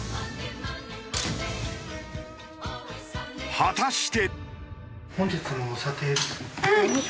果たして。